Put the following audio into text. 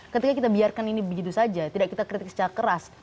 ketika kita biarkan ini begitu saja tidak kita kritik secara keras